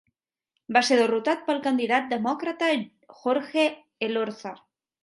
Va ser derrotat pel candidat demòcrata Jorge Elorza.